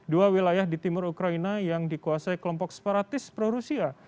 dua wilayah di timur ukraina yang dikuasai kelompok separatis pro rusia